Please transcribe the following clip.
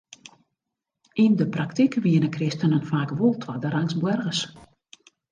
Yn de praktyk wienen kristenen faak wol twadderangs boargers.